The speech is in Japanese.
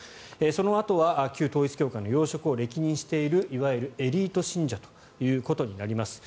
そのあとは旧統一教会の要職を歴任しているいわゆるエリート信者ということになります。